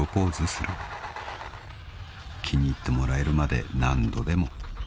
［気に入ってもらえるまで何度でも］